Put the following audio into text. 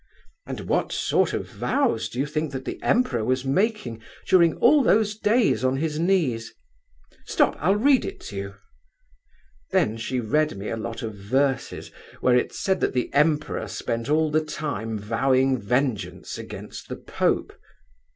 And what sort of vows do you think that Emperor was making during all those days on his knees? Stop, I'll read it to you!' Then she read me a lot of verses, where it said that the Emperor spent all the time vowing vengeance against the Pope.